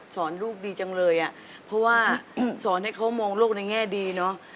ลูกดีจังเลยอ่ะเพราะว่าสอนให้เขามองโลกในแง่ดีเนอะ